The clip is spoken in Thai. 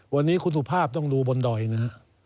วันนี้คุณสุภาพต้องดูบนดอยนะฮะ